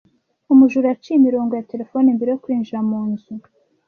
Umujura yaciye imirongo ya terefone mbere yo kwinjira mu nzu.